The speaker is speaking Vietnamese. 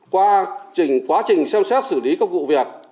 qua quá trình xem xét xử lý các vụ việc